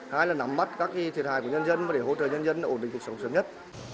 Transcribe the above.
hai là nắm mắt các thiệt hại của nhân dân và để hỗ trợ nhân dân ổn định cuộc sống sớm nhất